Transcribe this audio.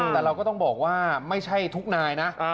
แต่เราก็ต้องบอกว่าไม่ใช่ทุกนายนะ